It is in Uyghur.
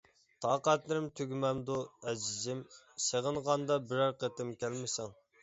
تاقەتلىرىم تۈگىمەمدۇ، ئەزىزىم، سېغىنغاندا بىرەر قېتىم كەلمىسەڭ.